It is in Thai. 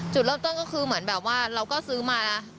จุดเริ่มต้นก็คือเหมือนแบบว่าเราก็ซื้อมา